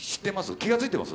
気が付いてます？